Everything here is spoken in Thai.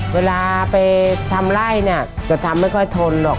เวลาไปทำไล่เนี่ยจะทำไม่ค่อยทนหรอก